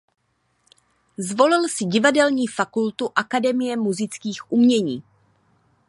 Zvolil si Divadelní fakultu Akademie múzických umění.